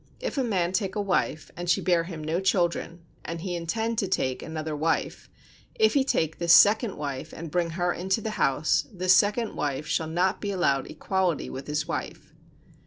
If a man take a wife, and she bear him no children, and he intend to take another wife: if he take this second wife, and bring her into the house, this second wife shall not be allowed equality with his wife.